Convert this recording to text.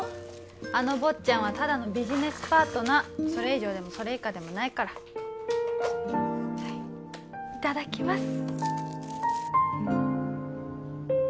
あの坊ちゃんはただのビジネスパートナーそれ以上でもそれ以下でもないからいただきます